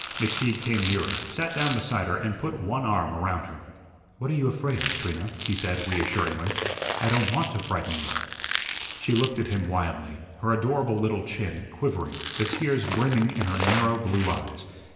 McTeague came nearer, sat down beside her and put one arm around her. "What are you afraid of, Trina?" he said, reassuringly. "I don't want to frighten you." She looked at him wildly, her adorable little chin quivering, the tears brimming in her narrow blue eyes.